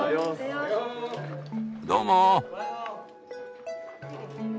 どうも。